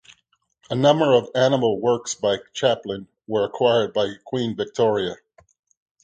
A number of animal works by Chaplin were acquired by Queen Victoria.